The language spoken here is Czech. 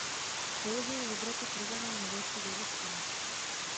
Přeložil libreto Prodané nevěsty do ruštiny.